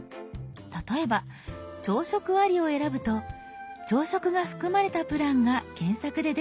例えば「朝食あり」を選ぶと朝食が含まれたプランが検索で出てきます。